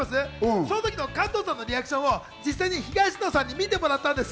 そん時の加藤さんのリアクションを実際に東野さんに見てもらったんです。